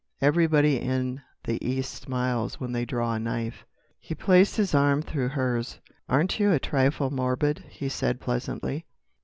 "Everybody in the East smiles when they draw a knife...." He placed his arm through hers. "Aren't you a trifle morbid?" he said pleasantly.